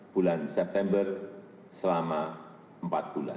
bulan september selama empat bulan